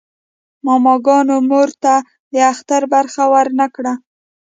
ماماګانو مور ته د اختر برخه ورنه کړه.